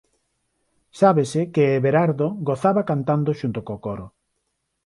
Sábese que Eberardo gozaba cantando xunto co coro.